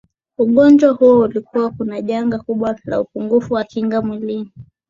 ugonjwa huo ulikuwa kuwa janga kubwa la upungufu wa kinga mwilini